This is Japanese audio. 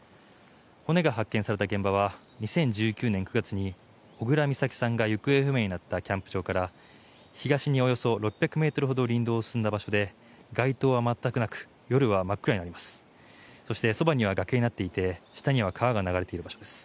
骨が発見された現場は２０１９年９月に小倉美咲さんが行方不明になったキャンプ場から東におよそ６００ｍほど林道を進んだ場所で街灯は全くなく夜は真っ暗になります。